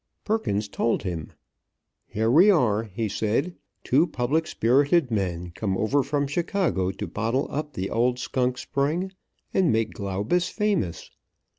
Perkins told him. Here we are, he said, two public spirited men come over from Chicago to bottle up the old skunk spring, and make Glaubus famous.